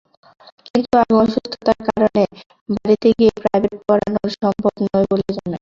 কিন্তু আমি অসুস্থতার কারণে বাড়িতে গিয়ে প্রাইভেট পড়ানোর সম্ভব নয় বলে জানাই।